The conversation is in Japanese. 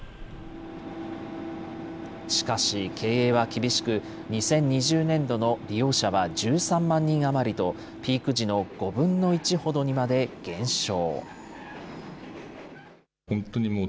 しかし経営は厳しく、２０２０年度の利用者は１３万人余りと、ピーク時の５分の１ほどにまで減少。